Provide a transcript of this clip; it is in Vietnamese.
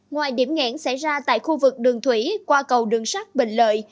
ngoài điểm nghẹn xảy ra tại khu vực đường thủy qua cầu đường sắt bình lợi